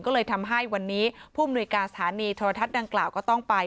ก็เลยทำให้วันนี้ผู้มนุยการสถานีโทรทัศน์ดังกล่าวก็ต้องไป